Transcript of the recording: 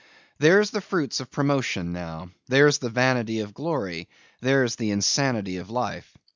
There's the fruits of promotion now; there's the vanity of glory: there's the insanity of life!